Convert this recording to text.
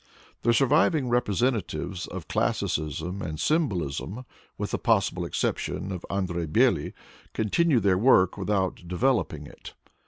The surviving representatives of classi cism and symbolism, with the possible exception of An drey Bely, continue their work without developing it.